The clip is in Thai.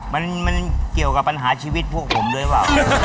มันเกี่ยวกับปัญหาชีวิตพวกผมด้วยเปล่า